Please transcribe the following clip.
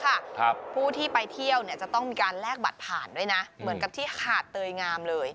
ครับผู้ที่ไปเที่ยวเนี่ยจะต้องมีการแลกบัตรผ่านด้วยนะเหมือนกับที่หาดเตยงามเลย